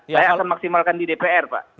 saya akan maksimalkan di dpr pak